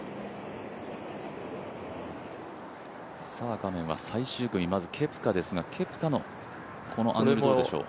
画面は最終組、まずケプカですがケプカのこのアングルどうでしょう。